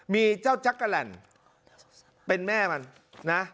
มีเจ้าจักรแหล่นเป็นแม่มันนะ